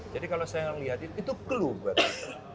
jadi kalau saya ngelihat itu itu clue buat saya